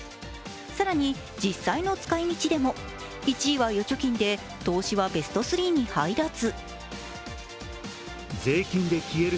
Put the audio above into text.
更に、実際の使い道でも１位は預貯金で、投資はベスト３に入らず。